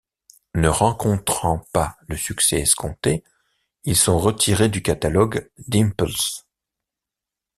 Ne rencontrant pas le succès escompté, ils sont retirés du catalogue d'Impulse!.